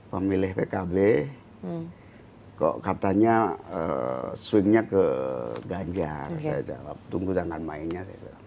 pemilih pkb kok katanya swingnya ke ganjar saya jawab tunggu tangan mainnya saya bilang